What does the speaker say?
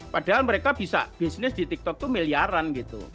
padahal mereka bisa bisnis di tiktok itu miliaran gitu